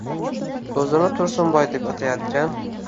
O‘zini Tursunboy deb atayotgan